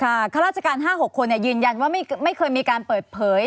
ข้าราชการ๕๖คนยืนยันว่าไม่เคยมีการเปิดเผย